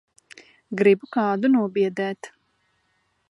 Gribu kādu nobiedēt.